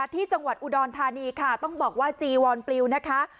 ที่จังหวัดอุดรธานีค่ะต้องบอกว่าจีวอนปลิวนะคะ